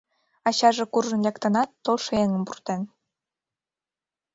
Ачаже куржын лектынат, толшо еҥым пуртен.